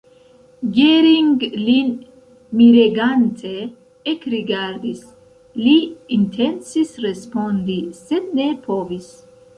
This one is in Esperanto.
Gering lin miregante ekrigardis; li intencis respondi, sed ne povis.